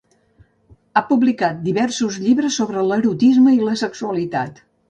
Ha publicat diversos llibres sobre l'erotisme i la sexualitat.